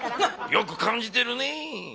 よく感じてるねぇ。